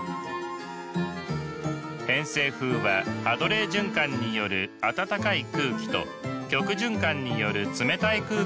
偏西風はハドレー循環による暖かい空気と極循環による冷たい空気の交換によって吹く風です。